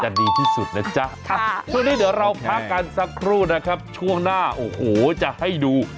ดีที่สุดนะจ๊ะช่วงนี้เดี๋ยวเราพักกันสักครู่นะครับช่วงหน้าโอ้โหจะให้ดู